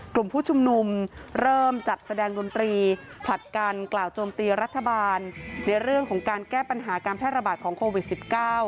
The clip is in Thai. กลุ่มผู้ชุมนุมเริ่มจัดแสดงดนตรีผลัดกันกล่าวโจมตีรัฐบาลในเรื่องของการแก้ปัญหาการแพร่ระบาดของโควิด๑๙